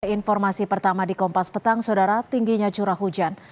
informasi pertama di kompas petang saudara tingginya curah hujan